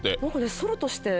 ソロとして？